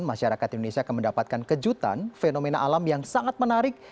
masyarakat indonesia akan mendapatkan kejutan fenomena alam yang sangat menarik